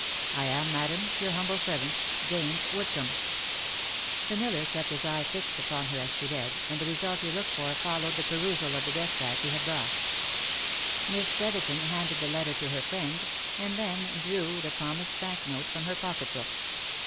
" I am, Madam, " Your humble servant, " James Woodcomb." The miller kept his eye fixed upon her as she read, and the result he looked for followed the perusal of the despatch he had brought. Miss Brotherton handed the letter to her friend, and then drew the promised bank note from her pocket book.